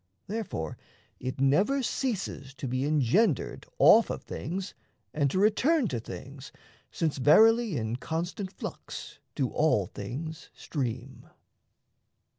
Therefore it never Ceases to be engendered off of things And to return to things, since verily In constant flux do all things stream.